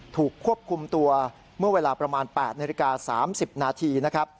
ถูกควบคุมตัวเมื่อเวลาประมาณ๘นาฬิกา๓๐นาทีนะครับ